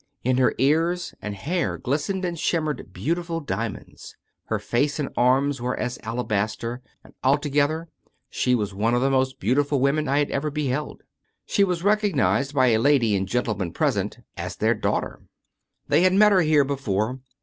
In her ears and hair glistened and shimmered beautiful diamonds. Her face and arms were as alabaster, and altogether she was one of the most beautiful women I had ever beheld. She was recognized by a lady and gentle man present as their daughter. They had met her here before.